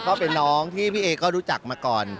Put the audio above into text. ก็เป็นน้องที่พี่เอก็รู้จักมาก่อน